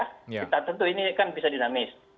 kita tentu ini kan bisa dinamis